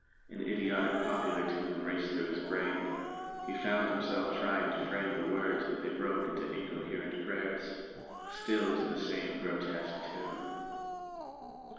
An idiotic popular tune raced through his brain. He found himself trying to frame the words, but they broke into incoherent prayers, still to the same grotesque tune.